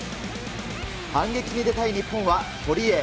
反撃に出たい日本は、堀江。